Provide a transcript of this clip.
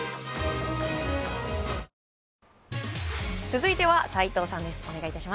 続いては斎藤さんです。